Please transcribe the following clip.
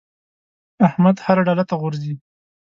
احمد هر ډاله ته غورځي.